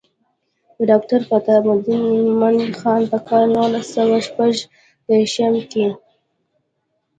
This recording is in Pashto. ډاکټر فتح مند خان پۀ کال نولس سوه شپږ دېرشم کښې